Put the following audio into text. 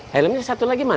helmnya satu lagi mana